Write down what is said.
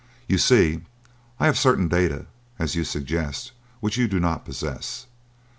You see, I have certain data, as you suggest, which you do not possess.